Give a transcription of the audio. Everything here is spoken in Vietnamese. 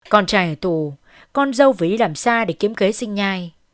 con trai ở tù con dâu vĩ làm xa để kiếm khế sinh nhai